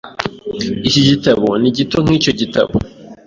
Iki gitabo ni gito nkicyo gitabo.